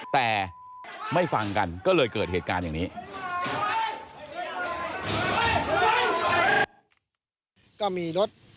แต่ไม่ฟังกันก็เลยเกิดเหตุการณ์อย่างนี้